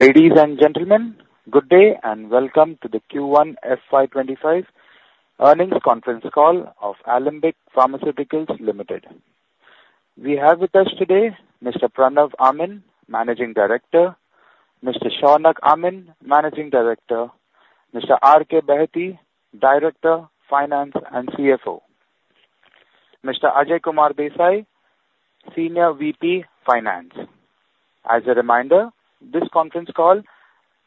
Ladies and gentlemen, good day and welcome to the Q1 FY25 earnings conference call of Alembic Pharmaceuticals Limited. We have with us today Mr. Pranav Amin, Managing Director; Mr. Shaunak Amin, Managing Director; Mr. R. K. Behati, Director, Finance and CFO; Mr. Ajay Kumar Desai, Senior VP Finance. As a reminder, this conference call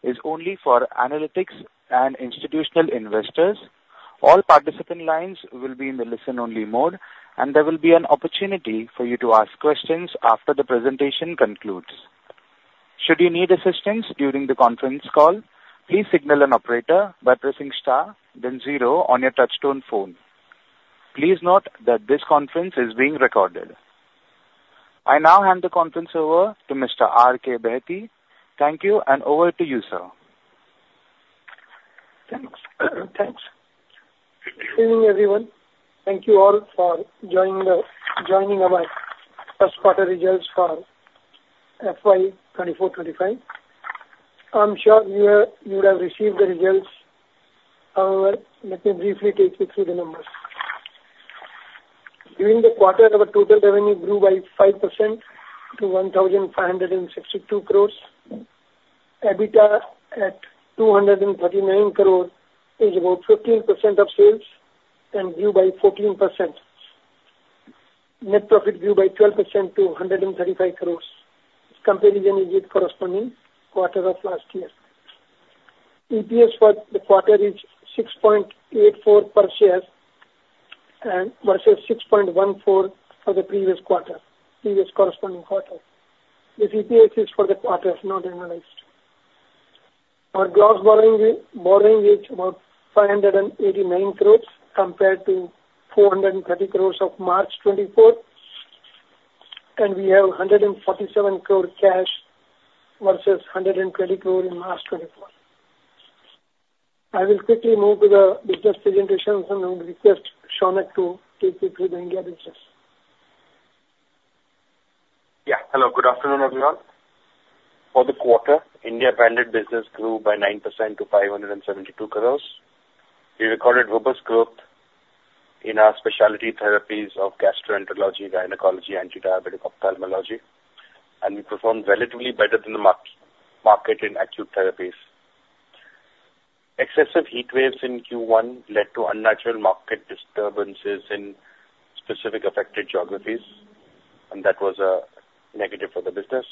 is only for analysts and institutional investors. All participant lines will be in the listen-only mode, and there will be an opportunity for you to ask questions after the presentation concludes. Should you need assistance during the conference call, please signal an operator by pressing star, then zero on your touch-tone phone. Please note that this conference is being recorded. I now hand the conference over to Mr. R. K. Behati. Thank you, and over to you, sir. Thanks. Thanks. Good evening, everyone. Thank you all for joining our first quarter results for FY24/25. I'm sure you have received the results. However, let me briefly take you through the numbers. During the quarter, our total revenue grew by 5% to 1,562 crores. EBITDA at 239 crores is about 15% of sales and grew by 14%. Net profit grew by 12% to 135 crores. This comparison is with corresponding quarter of last year. EPS for the quarter is 6.84 per share and versus 6.14 for the previous quarter, previous corresponding quarter. This EPS is for the quarter, not annualized. Our gross borrowing is about 589 crores compared to 430 crores of March 2024, and we have 147 crores cash versus 120 crores in March 2024. I will quickly move to the business presentations and will request Shaunak to take you through the India business. Yeah. Hello. Good afternoon, everyone. For the quarter, India branded business grew by 9% to 572 crore. We recorded robust growth in our specialty therapies of gastroenterology, gynecology, antidiabetic, ophthalmology, and we performed relatively better than the market in acute therapies. Excessive heat waves in Q1 led to unnatural market disturbances in specific affected geographies, and that was a negative for the business.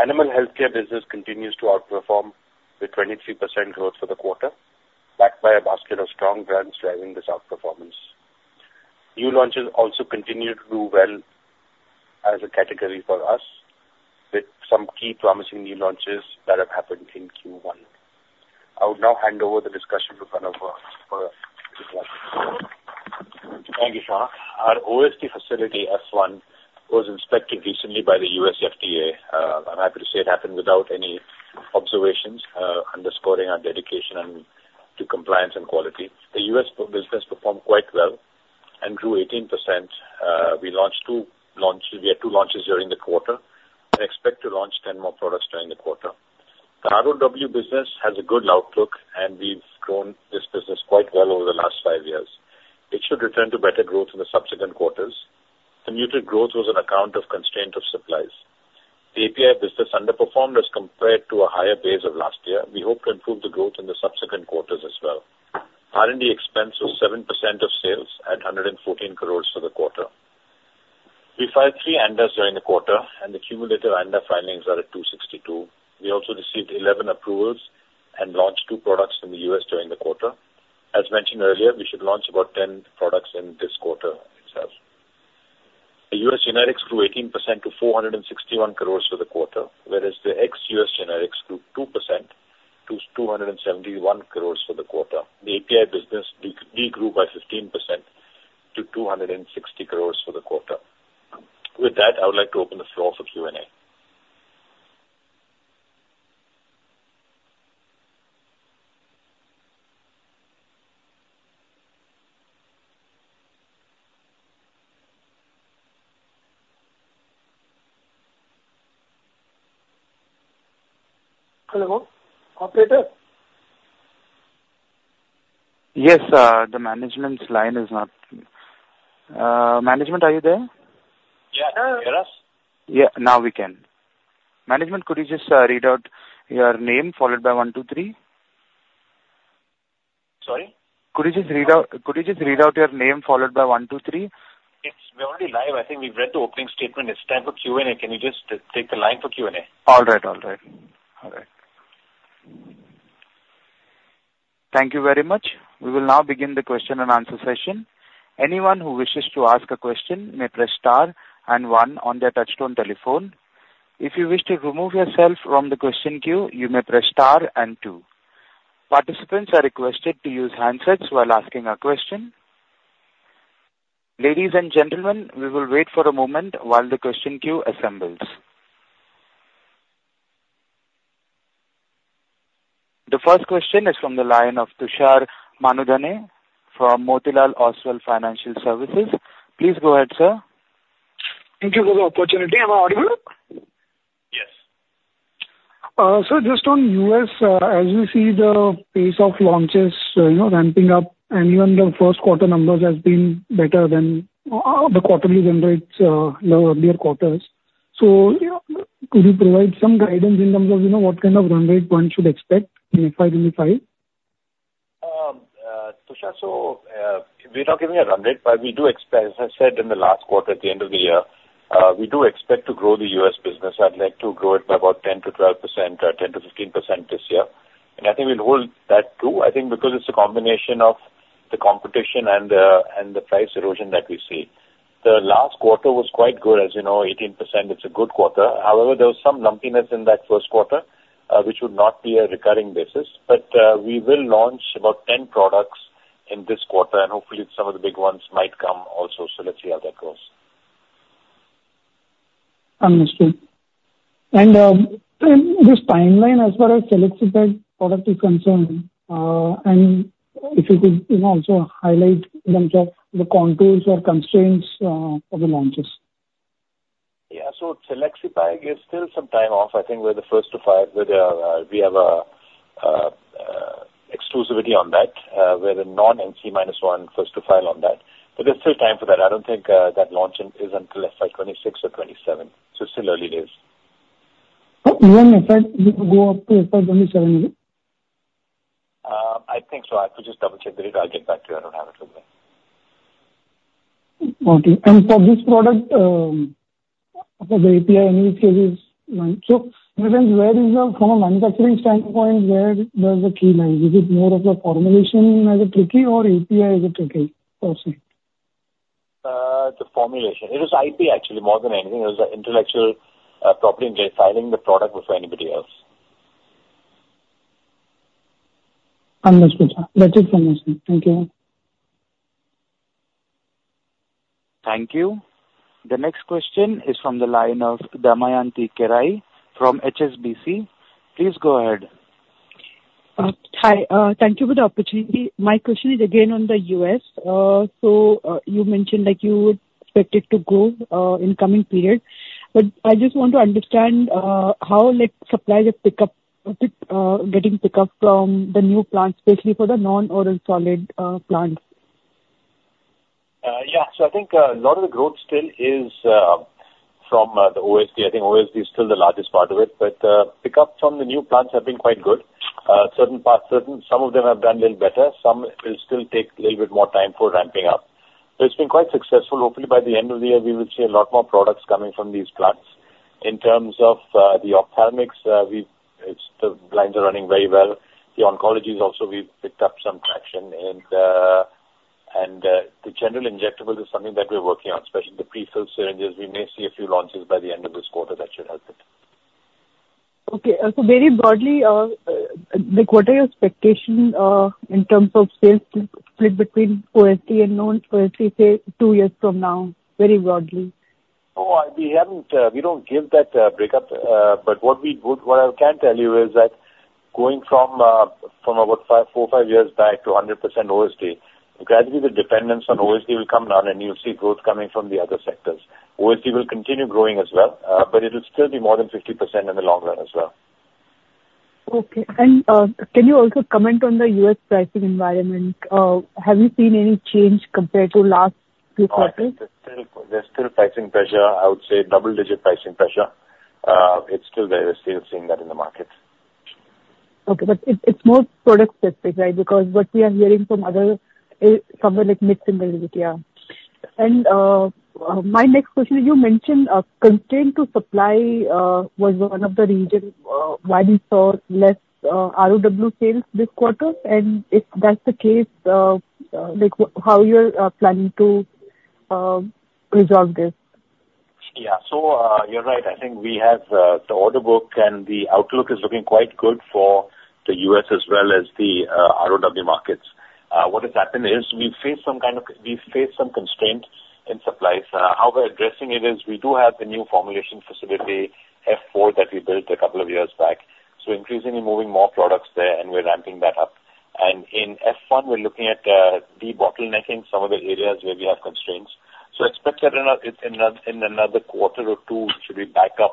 Animal healthcare business continues to outperform with 23% growth for the quarter, backed by a basket of strong brands driving this outperformance. New launches also continue to do well as a category for us, with some key promising new launches that have happened in Q1. I will now hand over the discussion to Pranav Amin. Thank you, Shaun. Our OSD facility, S1, was inspected recently by the U.S. FDA. I'm happy to say it happened without any observations, underscoring our dedication to compliance and quality. The U.S. business performed quite well and grew 18%. We launched two launches. We had two launches during the quarter. We expect to launch 10 more products during the quarter. The ROW business has a good outlook, and we've grown this business quite well over the last five years. It should return to better growth in the subsequent quarters. The muted growth was an account of constraint of supplies. The API business underperformed as compared to a higher base of last year. We hope to improve the growth in the subsequent quarters as well. R&D expense was 7% of sales at 114 crore for the quarter. We filed three ANDAs during the quarter, and the cumulative ANDA filings are at 262. We also received 11 approvals and launched two products in the U.S. during the quarter. As mentioned earlier, we should launch about 10 products in this quarter itself. The US generics grew 18% to 461 crore for the quarter, whereas the ex-US generics grew 2% to 271 crore for the quarter. The API business degrew by 15% to 260 crore for the quarter. With that, I would like to open the floor for Q&A. Hello? Operator? Management. Are you there? Yeah. You can hear us? Yeah. Now we can. Management, could you just read out your name followed by one, two, three? Sorry? Could you just read out your name followed by one, two, three? We're already live. I think we've read the opening statement. It's time for Q&A. Can you just take the line for Q&A? All right. All right. All right. Thank you very much. We will now begin the question and answer session. Anyone who wishes to ask a question may press star and one on their touchtone telephone. If you wish to remove yourself from the question queue, you may press star and two. Participants are requested to use handsets while asking a question. Ladies and gentlemen, we will wait for a moment while the question queue assembles. The first question is from the line of Tushar Manudhane from Motilal Oswal Financial Services. Please go ahead, sir. Thank you for the opportunity. Am I audible? Yes. Sir, just on U.S., as we see the pace of launches ramping up, and even the first quarter numbers have been better than the quarterly run rates lower earlier quarters. Could you provide some guidance in terms of what kind of run rate one should expect in FY25? Tushar, so we're not giving a run rate, but we do expect, as I said in the last quarter, at the end of the year, we do expect to grow the US business. I'd like to grow it by about 10%-12%, 10%-15% this year. And I think we'll hold that true, I think, because it's a combination of the competition and the price erosion that we see. The last quarter was quite good. As you know, 18%, it's a good quarter. However, there was some lumpiness in that first quarter, which would not be a recurring basis. But we will launch about 10 products in this quarter, and hopefully, some of the big ones might come also. So let's see how that goes. Understood. This timeline, as far as Selexipag product is concerned, and if you could also highlight in terms of the contours or constraints of the launches? Yeah. So Selexipag, there's still some time off. I think we're the first to file with our we have exclusivity on that. We're a non-NC minus one first to file on that. But there's still time for that. I don't think that launch is until FY 2026 or 2027. So it's still early days. Oh, you want to go up to FY27? I think so. I could just double-check the data. I'll get back to you. I don't have it with me. Okay. For this product, for the API, any use cases? Where is it from a manufacturing standpoint, where does the key lie? Is it more of a formulation that's tricky, or API that's tricky? It's a formulation. It is IP, actually, more than anything. It is an intellectual property in filing the product before anybody else. Understood. That's it from my side. Thank you. Thank you. The next question is from the line of Damayanti Kerai from HSBC. Please go ahead. Hi. Thank you for the opportunity. My question is again on the US. So you mentioned that you would expect it to grow in the coming period. But I just want to understand how suppliers are getting pickup from the new plants, especially for the oral solid plants. Yeah. So I think a lot of the growth still is from the OSD. I think OSD is still the largest part of it. Pickup from the new plants has been quite good. Some of them have done a little better. Some will still take a little bit more time for ramping up. It's been quite successful. Hopefully, by the end of the year, we will see a lot more products coming from these plants. In terms of the ophthalmics, the lines are running very well. The oncologies also, we've picked up some traction. And the general injectable is something that we're working on, especially the prefilled syringes. We may see a few launches by the end of this quarter that should help it. Okay. So very broadly, what are your expectations in terms of sales split between OSD and non-OSD two years from now, very broadly? Oh, we don't give that breakup. But what I can tell you is that going from about 4-5 years back to 100% OSD, gradually the dependence on OSD will come down, and you'll see growth coming from the other sectors. OSD will continue growing as well, but it'll still be more than 50% in the long run as well. Okay. Can you also comment on the U.S. pricing environment? Have you seen any change compared to last few quarters? There's still pricing pressure. I would say double-digit pricing pressure. It's still there. We're still seeing that in the market. Okay. But it's more product-specific, right? Because what we are hearing from other somewhere like mid-single year. And my next question, you mentioned constraint to supply was one of the reasons why we saw less ROW sales this quarter. And if that's the case, how you're planning to resolve this? Yeah. So you're right. I think we have the order book, and the outlook is looking quite good for the U.S. as well as the ROW markets. What has happened is we've faced some constraints in supplies. How we're addressing it is we do have the new formulation facility, F4, that we built a couple of years back. So increasingly moving more products there, and we're ramping that up. And in F1, we're looking at debottlenecking some of the areas where we have constraints. So expect that in another quarter or two, we should be back up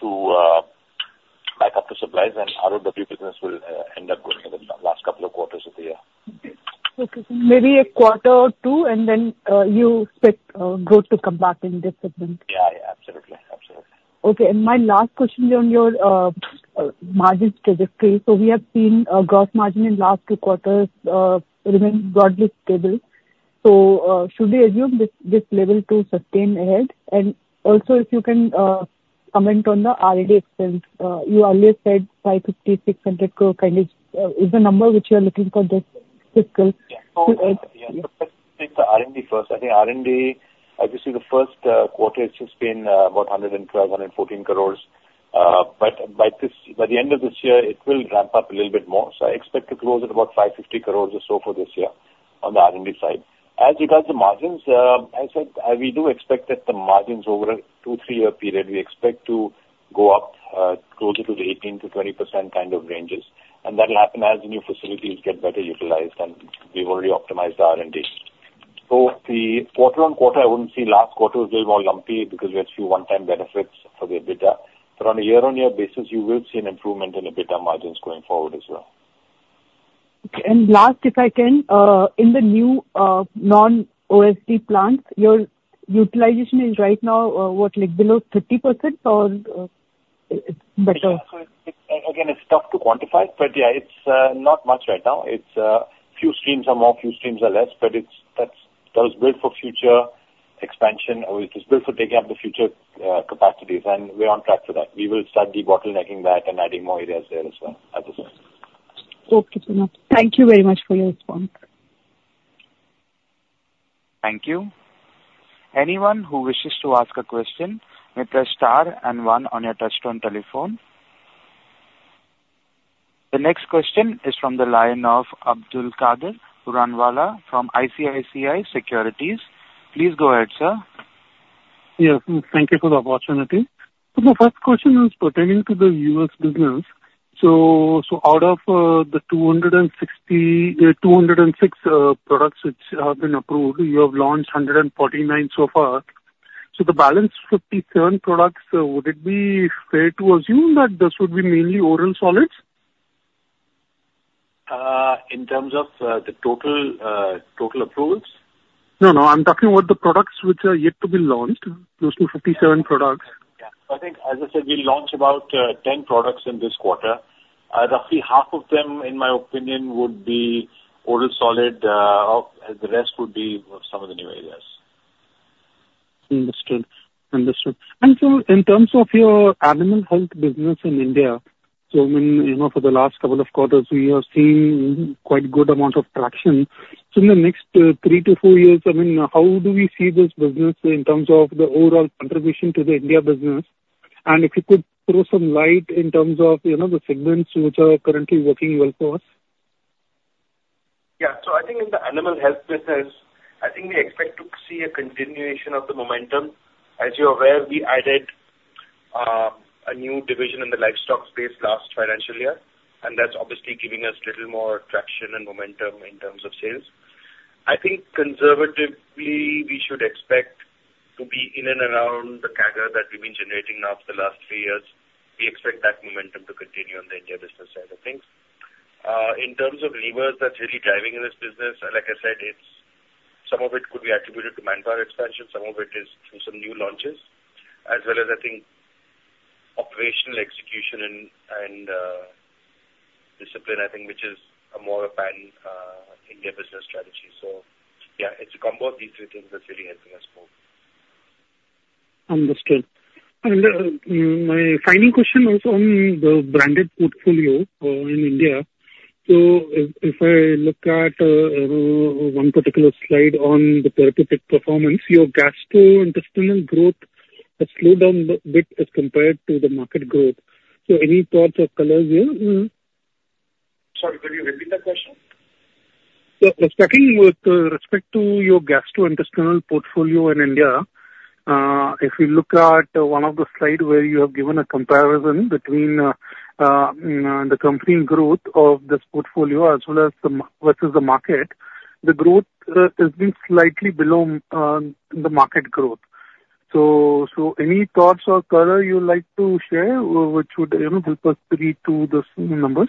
to supplies, and ROW business will end up growing in the last couple of quarters of the year. Okay. So maybe a quarter or two, and then you expect growth to come back in this segment. Yeah. Yeah. Absolutely. Absolutely. Okay. And my last question on your margin trajectory. So we have seen a gross margin in the last two quarters remain broadly stable. So should we assume this level to sustain ahead? And also, if you can comment on the R&D expense. You earlier said 550 crore-600 crore kind of is the number which you're looking for this fiscal? Yeah. So let's take the R&D first. I think R&D, obviously, the first quarter has just been about 112-114 crores. But by the end of this year, it will ramp up a little bit more. So I expect to close at about 550 crores or so for this year on the R&D side. As regards to margins, as I said, we do expect that the margins over a 2-3-year period, we expect to go up closer to the 18%-20% kind of ranges. And that'll happen as the new facilities get better utilized, and we've already optimized the R&D. So the quarter-on-quarter, I wouldn't see last quarter was a little more lumpy because we had a few one-time benefits for the EBITDA. But on a year-on-year basis, you will see an improvement in EBITDA margins going forward as well. Okay. And last, if I can, in the new non-OSD plants, your utilization is right now, what, below 30%, or better? Again, it's tough to quantify, but yeah, it's not much right now. A few streams are more, a few streams are less, but that was built for future expansion. It was built for taking up the future capacities, and we're on track for that. We will start debottlenecking that and adding more areas there as well at this point. Okay. Thank you very much for your response. Thank you. Anyone who wishes to ask a question may press star and one on your touch-tone telephone. The next question is from the line of Abdul Qadir Ranwala from ICICI Securities. Please go ahead, sir. Yes. Thank you for the opportunity. So my first question is pertaining to the U.S. business. So out of the 206 products which have been approved, you have launched 149 so far. The balance, 57 products, would it be fair to assume that this would be mainly oral solids? In terms of the total approvals? No, no. I'm talking about the products which are yet to be launched, those 57 products. Yeah. I think, as I said, we launched about 10 products in this quarter. Roughly half of them, in my opinion, would be oral solid, and the rest would be some of the new areas. Understood. Understood. In terms of your animal health business in India, so I mean, for the last couple of quarters, we have seen quite a good amount of traction. In the next 3-4 years, I mean, how do we see this business in terms of the overall contribution to the India business? And if you could throw some light in terms of the segments which are currently working well for us? Yeah. I think in the animal health business, I think we expect to see a continuation of the momentum. As you're aware, we added a new division in the livestock space last financial year, and that's obviously giving us a little more traction and momentum in terms of sales. I think conservatively, we should expect to be in and around the CAGR that we've been generating now for the last three years. We expect that momentum to continue on the India business side of things. In terms of levers that's really driving this business, like I said, some of it could be attributed to manpower expansion. Some of it is through some new launches, as well as, I think, operational execution and discipline, I think, which is more of an India business strategy. So yeah, it's a combo of these three things that's really helping us move. Understood. My final question is on the branded portfolio in India. If I look at one particular slide on the therapeutic performance, your gastrointestinal growth has slowed down a bit as compared to the market growth. Any thoughts or colors here? Sorry, could you repeat that question? So speaking with respect to your gastrointestinal portfolio in India, if we look at one of the slides where you have given a comparison between the company growth of this portfolio versus the market, the growth has been slightly below the market growth. So any thoughts or color you'd like to share which would help us read through those numbers?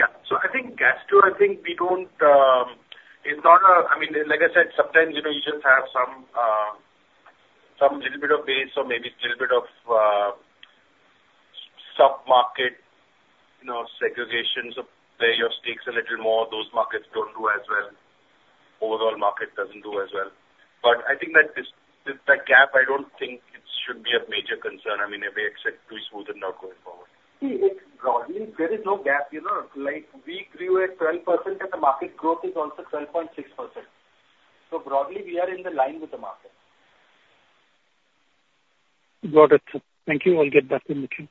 Yeah. So, I think gastro, I think we don't, it's not a. I mean, like I said, sometimes you just have some little bit of base or maybe a little bit of sub-market segregations where your stakes are a little more. Those markets don't do as well. Overall market doesn't do as well. But I think that gap, I don't think it should be a major concern. I mean, if we accept to be smooth and not going forward. See, broadly, there is no gap. We grew at 12%, and the market growth is also 12.6%. So broadly, we are in line with the market. Got it. Thank you. I'll get back to the machine.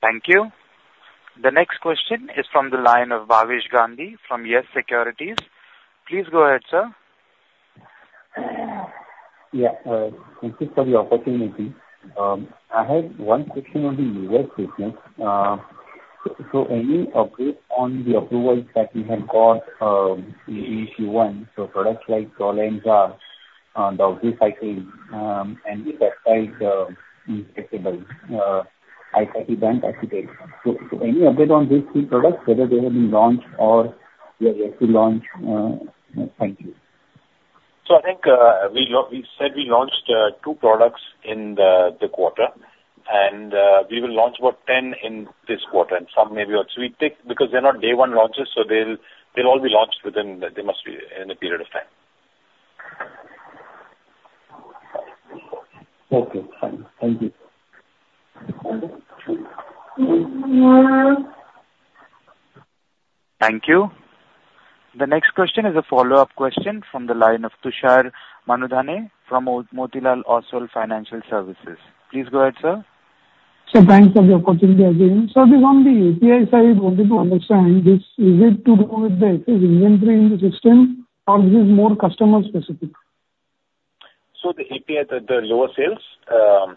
Thank you. The next question is from the line of Bhavesh Gandhi from Yes Securities. Please go ahead, sir. Yeah. Thank you for the opportunity. I had one question on the US business. Any update on the approvals that we have got in GHE1, so products like Zolenza, the recycling, and peptide injectable, ICICI Bank, Architect? Any update on these two products, whether they have been launched or they are yet to launch? Thank you. I think we said we launched 2 products in the quarter, and we will launch about 10 in this quarter and some maybe once we take because they're not day-one launches, so they'll all be launched within they must be in a period of time. Okay. Fine. Thank you. Thank you. The next question is a follow-up question from the line of Tushar Manudhane from Motilal Oswal Financial Services. Please go ahead, sir. Thanks for the opportunity again. On the API side, I wanted to understand, is it to do with the inventory in the system, or is it more customer-specific? So the API, the lower sales?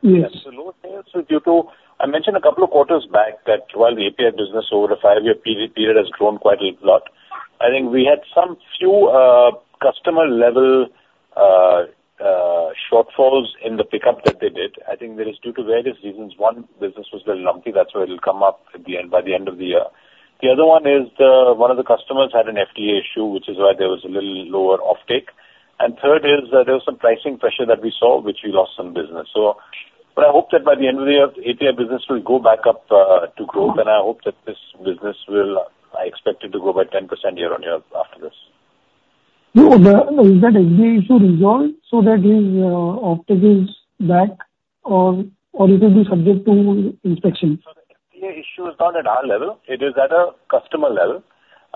Yes. So lower sales is due to. I mentioned a couple of quarters back that while the API business over a five-year period has grown quite a lot. I think we had some few customer-level shortfalls in the pickup that they did. I think that is due to various reasons. One business was a little lumpy. That's why it'll come up by the end of the year. The other one is one of the customers had an FDA issue, which is why there was a little lower offtake. And third is there was some pricing pressure that we saw, which we lost some business. So I hope that by the end of the year, the API business will go back up to growth, and I hope that this business will. I expect it to grow by 10% year-on-year after this. Is that FDA issue resolved so that the offtake is back, or it will be subject to inspection? The FDA issue is not at our level. It is at a customer level,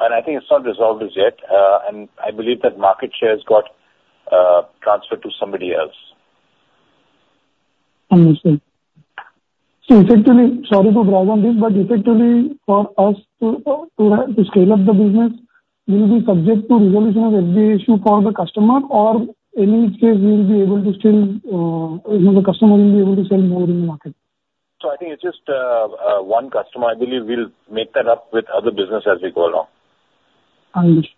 and I think it's not resolved as yet. I believe that market share has got transferred to somebody else. Understood. So effectively, sorry to brag on this, but effectively, for us to scale up the business, will we be subject to resolution of FDA issue for the customer, or in which case, will we be able to still the customer will be able to sell more in the market? I think it's just one customer. I believe we'll make that up with other business as we go along. Understood.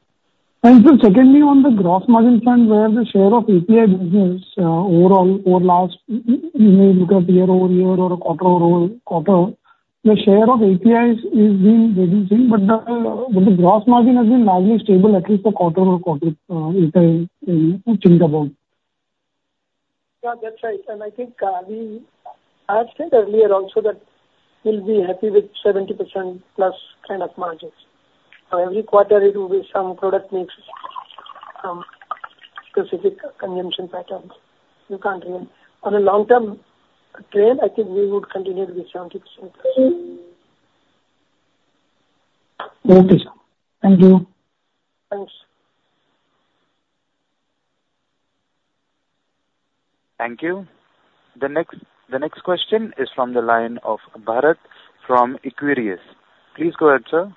And so secondly, on the gross margin front, where the share of API business overall, over the last, you may look at year-over-year or a quarter-over-quarter, the share of APIs is being reducing, but the gross margin has been largely stable at least a quarter or a quarter if I think about. Yeah, that's right. And I think I mean, I have said earlier also that we'll be happy with 70% plus kind of margins. So every quarter, it will be some product makes some specific consumption patterns. You can't really on a long-term trend, I think we would continue to be 70% plus. Okay. Thank you. Thanks. Thank you. The next question is from the line of Bharat from Equirius. Please go ahead, sir.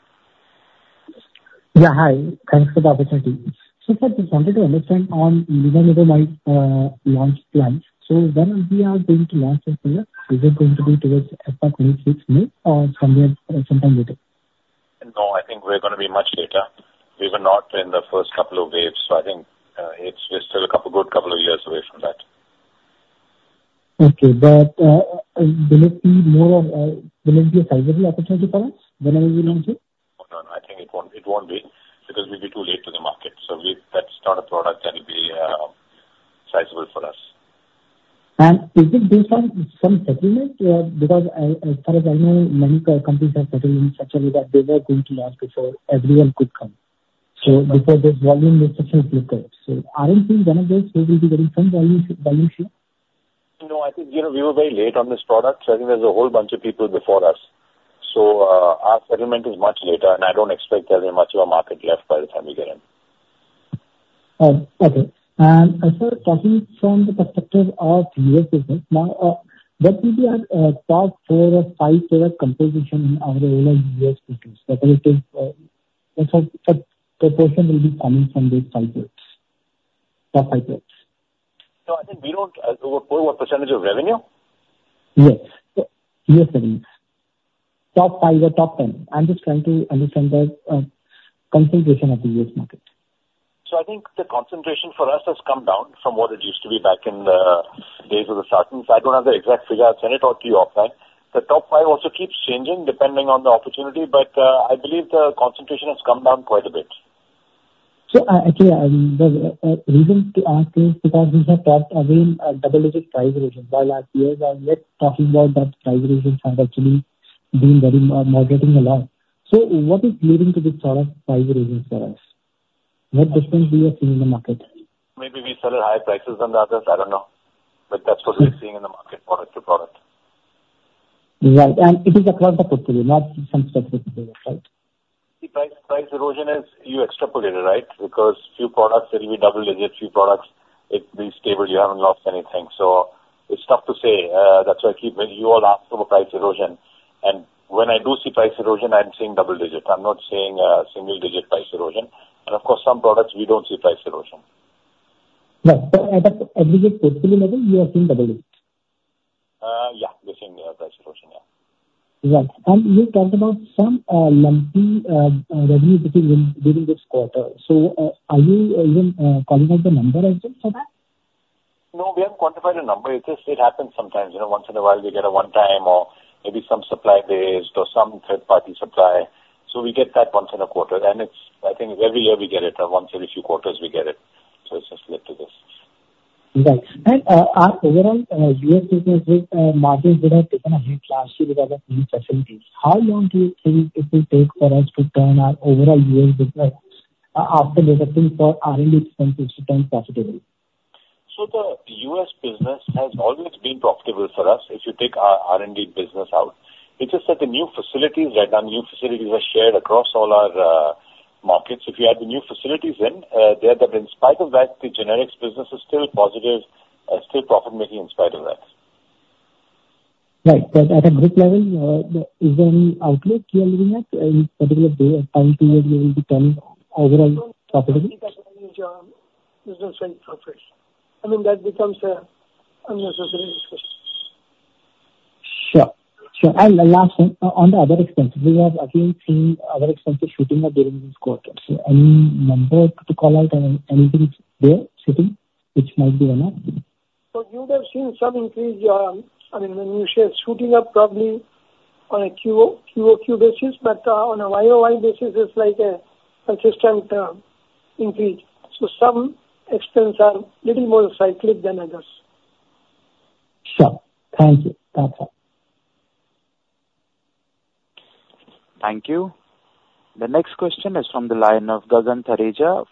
Yeah. Hi. Thanks for the opportunity. Sir, I wanted to understand on your launch plan. When are we going to launch in Singapore? Is it going to be towards FY26 May or sometime later? No, I think we're going to be much later. We were not in the first couple of waves, so I think it's just still a good couple of years away from that. Okay. But will it be more of a sizable opportunity for us whenever we launch it? No, no. I think it won't be because we'll be too late to the market. That's not a product that will be sizable for us. Is it based on some settlement? Because as far as I know, many companies have settled in such a way that they were going to launch before everyone could come. So before this volume restrictions lifted. So are you seeing one of those who will be getting some volume share? No, I think we were very late on this product. So I think there's a whole bunch of people before us. So our settlement is much later, and I don't expect there'll be much of a market left by the time we get in. Okay. And as we're talking from the perspective of U.S. business, what will be our top four or five product composition in our overall U.S. business? What proportion will be coming from these top five products? So I think we don't over 41% of revenue? Yes. U.S. revenues. Top 5 or top 10. I'm just trying to understand the concentration of the U.S. market. I think the concentration for us has come down from what it used to be back in the days of the Sargents. I don't have the exact figure. I'll send it out to you offline. The top five also keeps changing depending on the opportunity, but I believe the concentration has come down quite a bit. So actually, the reason to ask is because we have talked again about the latest price revision. While last year, we were talking about that price revision had actually been moderating a lot. So what is leading to this sort of price revision for us? What difference do you see in the market? Maybe we sell at higher prices than the others. I don't know. But that's what we're seeing in the market, product to product. Right. And it is across the portfolio, not some specific portfolio, right? See, price erosion is you extrapolated, right? Because few products that will be double-digit, few products will be stable. You haven't lost anything. So it's tough to say. That's why I keep you all asking for price erosion. And when I do see price erosion, I'm seeing double-digit. I'm not seeing single-digit price erosion. And of course, some products, we don't see price erosion. Right. But at the portfolio level, you are seeing double-digit? Yeah. We're seeing price erosion, yeah. Right. And you talked about some lumpy revenue between this quarter. So are you even quantifying the number as well for that? No, we haven't quantified the number. It just happens sometimes. Once in a while, we get a one-time or maybe some supply-based or some third-party supply. We get that once in a quarter. I think every year we get it. Once every few quarters, we get it. It's just led to this. Right. Our overall U.S. business margins would have taken a hit last year because of new facilities. How long do you think it will take for us to turn our overall U.S. business after disrupting for R&D expenses to turn profitable? So the US business has always been profitable for us if you take our R&D business out. It's just that the new facilities right now, new facilities are shared across all our markets. If you add the new facilities in, in spite of that, the generics business is still positive, still profit-making in spite of that. Right. But at a group level, is there any outlook you are looking at in particular time period we will be turning overall profitability? I think that's a major business venture for us. I mean, that becomes a necessary discussion. Sure. Sure. And last one, on the other expenses, we have again seen other expenses shooting up during this quarter. So any number to call out anything there sitting which might be enough? So you would have seen some increase. I mean, the new share is shooting up probably on a QOQ basis, but on a YOY basis, it's like a consistent increase. So some expenses are a little more cyclic than others. Sure. Thank you. That's all. Thank you. The next question is from the line of Gagan Tharija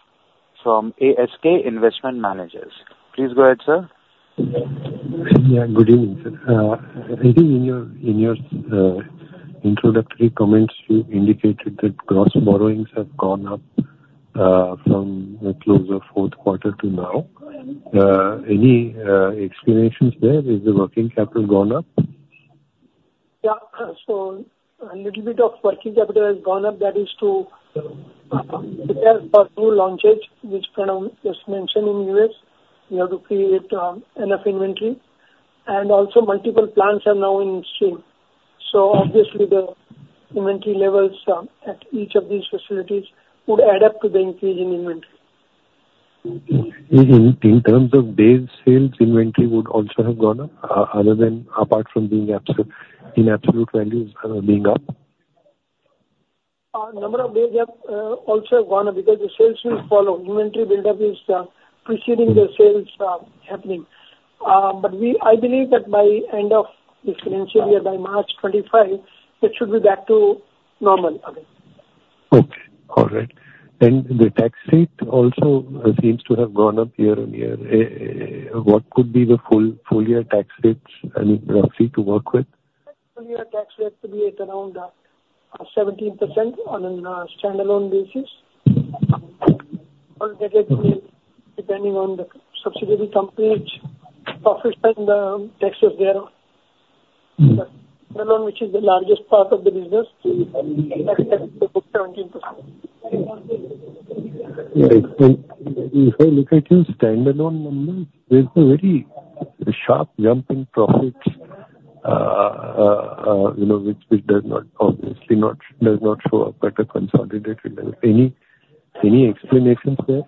from ASK Investment Managers. Please go ahead, sir. Yeah. Good evening, sir. I think in your introductory comments, you indicated that gross borrowings have gone up from the close of fourth quarter to now. Any explanations there? Is the working capital gone up? Yeah. So a little bit of working capital has gone up. That is to prepare for new launches, which Pranav just mentioned in the U.S. We have to create enough inventory. And also, multiple plants are now in sale. So obviously, the inventory levels at each of these facilities would add up to the increase in inventory. In terms of days, sales inventory would also have gone up other than apart from being in absolute values being up? The number of days also have gone up because the sales will follow. Inventory build-up is preceding the sales happening. But I believe that by end of this financial year, by March 25, it should be back to normal again. Okay. All right. The tax rate also seems to have gone up year-over-year. What could be the full year tax rates and roughly to work with? Full year tax rate to be around 17% on a standalone basis. Depending on the subsidiary companies, profit and the taxes there. Standalone, which is the largest part of the business, that is 17%. Right. If I look at your standalone numbers, there's a very sharp jump in profits, which does not obviously not show up at a consolidated level. Any explanations there?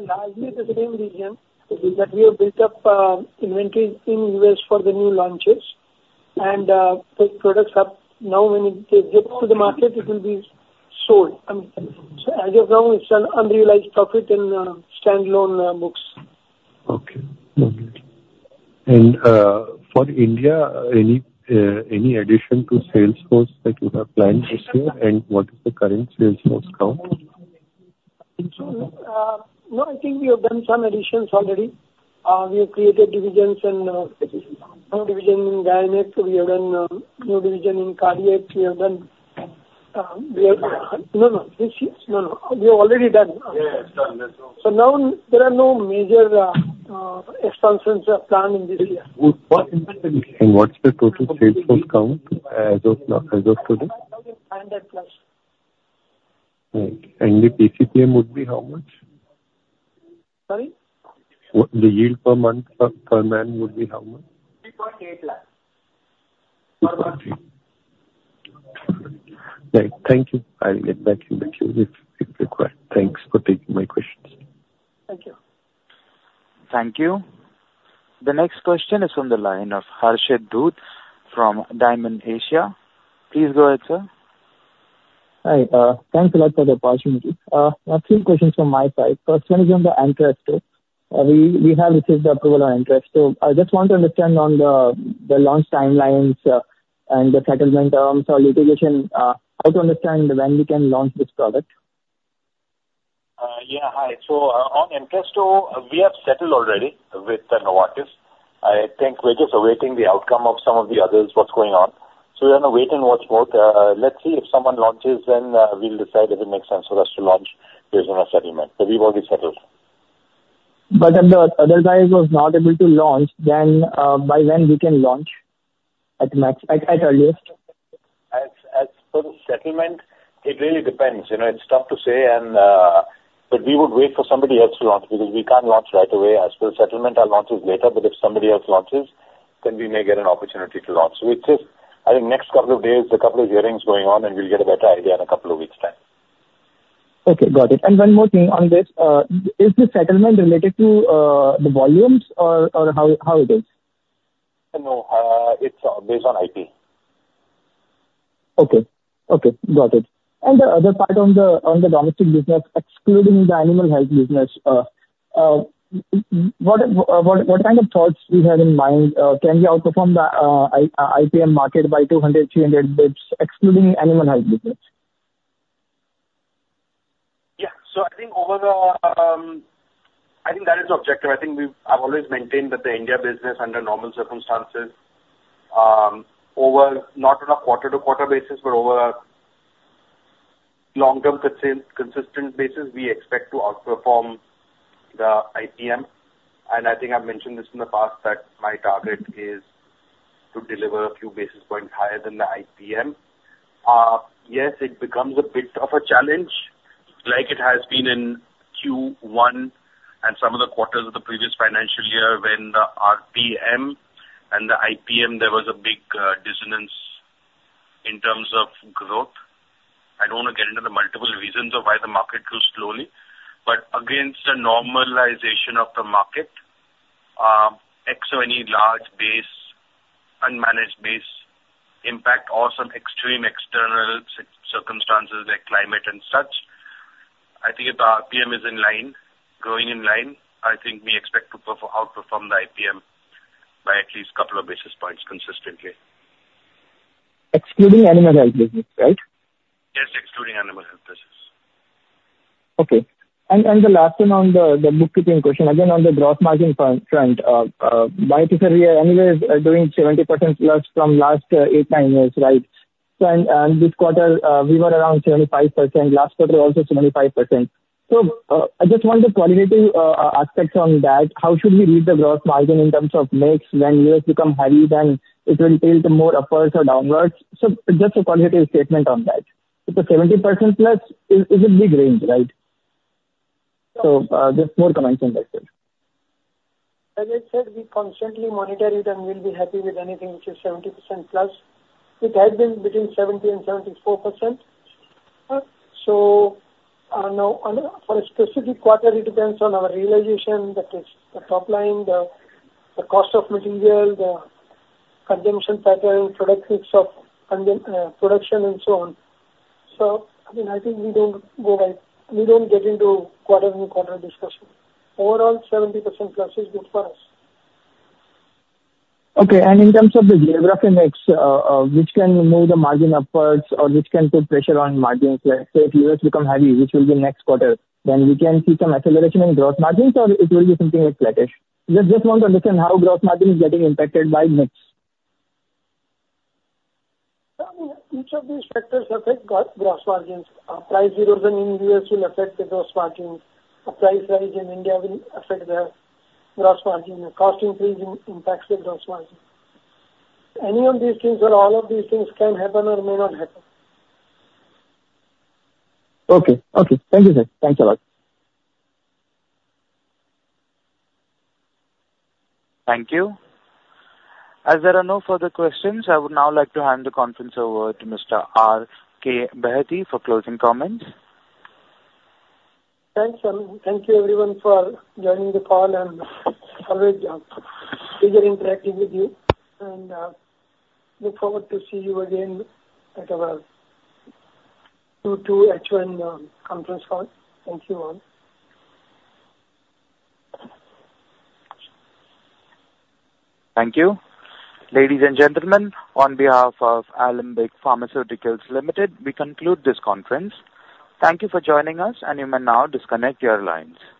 Largely, it is the same reason that we have built up inventory in the U.S. for the new launches. And those products have now, when it gets to the market, it will be sold. I mean, as of now, it's an unrealized profit in standalone books. Okay. All right. And for India, any addition to Salesforce that you have planned this year? And what is the current Salesforce count? No, I think we have done some additions already. We have created divisions and new division in Gianek. We have done new division in Kardiac. We have done no, no. This year? No, no. We have already done. Yeah. It's done. Now, there are no major expansions planned in this year. What's the total sales force count as of today? 1,500 plus. Right. The PCPM would be how much? Sorry? The yield per man would be how much? 3.8 lakh. Right. Thank you. I'll get back in the queue if required. Thanks for taking my questions. Thank you. Thank you. The next question is from the line of Harshad Dhoot from Diamond Asia. Please go ahead, sir. Hi. Thanks a lot for the opportunity. A few questions from my side. First one is on the interest rate. We have received approval on interest. So I just want to understand on the launch timelines and the settlement terms or litigation. How to understand when we can launch this product? Yeah. Hi. So on interest rate, we have settled already with Novartis. I think we're just awaiting the outcome of some of the others, what's going on. So we're on a wait-and-watch mode. Let's see if someone launches, then we'll decide if it makes sense for us to launch based on our settlement. But we've already settled. If the other guy was not able to launch, then by when we can launch at earliest? As for the settlement, it really depends. It's tough to say. But we would wait for somebody else to launch because we can't launch right away. As for the settlement, our launch is later. But if somebody else launches, then we may get an opportunity to launch. So it's just, I think, next couple of days, a couple of hearings going on, and we'll get a better idea in a couple of weeks' time. Okay. Got it. One more thing on this. Is the settlement related to the volumes or how it is? No. It's based on IP. Okay. Okay. Got it. The other part on the domestic business, excluding the animal health business, what kind of thoughts do you have in mind? Can we outperform the IPM market by 200, 300 basis points, excluding animal health business? Yeah. So I think overall, I think that is objective. I think we've always maintained that the India business, under normal circumstances, over, not on a quarter-to-quarter basis, but over a long-term consistent basis, we expect to outperform the IPM. And I think I've mentioned this in the past that my target is to deliver a few basis points higher than the IPM. Yes, it becomes a bit of a challenge, like it has been in Q1 and some of the quarters of the previous financial year when the RPM and the IPM, there was a big dissonance in terms of growth. I don't want to get into the multiple reasons of why the market grew slowly. But against the normalization of the market, X or any large base, unmanaged base impact, or some extreme external circumstances like climate and such, I think if the RPM is in line, growing in line, I think we expect to outperform the IPM by at least a couple of basis points consistently. Excluding animal health business, right? Yes. Excluding animal health business. Okay. And the last one on the bookkeeping question, again, on the gross margin front, by this year, anyway, we are doing 70% plus from last eight, nine years, right? And this quarter, we were around 75%. Last quarter was also 75%. So I just want the qualitative aspects on that. How should we read the gross margin in terms of mix when US becomes heavy, then it will tilt more upwards or downwards? So just a qualitative statement on that. If it's 70% plus, it's a big range, right? So just more comments on that, sir. As I said, we constantly monitor it, and we'll be happy with anything which is 70%+. It has been between 70%-74%. So for a specific quarter, it depends on our realization, that is, the top line, the cost of material, the consumption pattern, productivity of production, and so on. So I mean, I think we don't get into quarter-to-quarter discussion. Overall, 70%+ is good for us. Okay. In terms of the geographic mix, which can move the margin upwards or which can put pressure on margins, let's say if U.S. becomes heavy, which will be next quarter, then we can see some acceleration in gross margins, or it will be something like flattish? Just want to understand how gross margin is getting impacted by mix. I mean, each of these factors affect gross margins. Price erosion in U.S. will affect the gross margin. Price rise in India will affect the gross margin. Cost increase impacts the gross margin. Any of these things or all of these things can happen or may not happen. Okay. Okay. Thank you, sir. Thanks a lot. Thank you. As there are no further questions, I would now like to hand the conference over to Mr. R.K. Behati for closing comments. Thanks, sir. Thank you, everyone, for joining the call and always pleasure interacting with you. Look forward to seeing you again at our Q2 H1 conference call. Thank you all. Thank you. Ladies and gentlemen, on behalf of Alembic Pharmaceuticals Limited, we conclude this conference. Thank you for joining us, and you may now disconnect your lines.